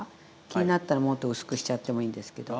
気になったらもっと薄くしちゃってもいいんですけど。